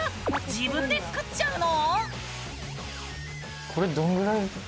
自分で作っちゃうの！？